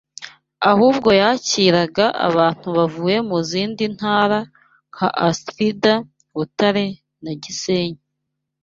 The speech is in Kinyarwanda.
Ahubwo yakiraga abantu bavuye mu zindi ntara nka Astrida Butare na Gisenyi